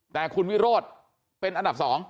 แต่คุณวิโรธเป็นอันดับ๒